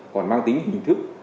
còn mang tính hình thức